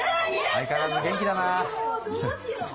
相変わらず元気だなあ。